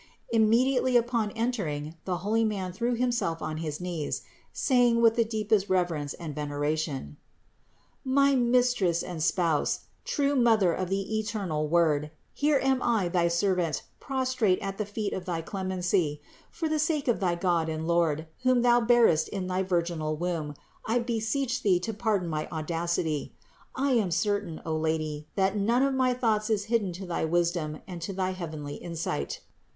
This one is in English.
Immediately upon entering the holy man threw himself on his knees, say ing with the deepest reverence and veneration : "My Mistress and Spouse, true Mother of the eternal Word, here am I thy servant prostrate at the feet of thy clemency. For the sake of thy God and Lord, whom Thou bearest in thy virginal womb, I beseech Thee to pardon my audacity. I am certain, O Lady, that none of my thoughts is hidden to thy wisdom and to thy heavenly insight.